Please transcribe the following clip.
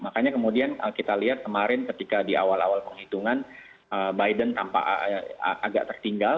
makanya kemudian kita lihat kemarin ketika di awal awal penghitungan biden tampak agak tertinggal